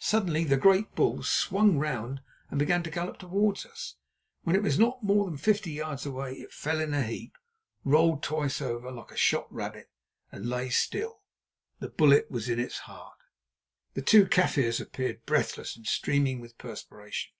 Suddenly the great bull swung round and began to gallop towards us. When it was not more than fifty yards away, it fell in a heap, rolled twice over like a shot rabbit, and lay still. That bullet was in its heart. The two Kaffirs appeared breathless and streaming with perspiration.